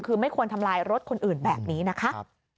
คือไม่ควรทำลายรถคนอื่นแบบนี้นะคะ